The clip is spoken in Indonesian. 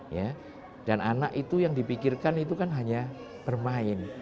ya dan anak itu yang dipikirkan itu kan hanya bermain